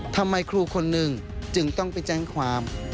ทำไมครูคนหนึ่งจึงต้องไปแจ้งความ